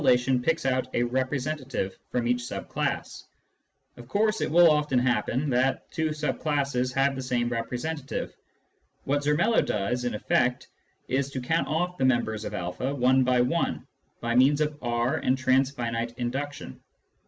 Such a relation picks out a " representative " from each sub class ; of course, it will often happen that two sub classes have the same representative. What Zermelo does, in effect, is to count off the members of a, one by one, by means of R and transfinite induction.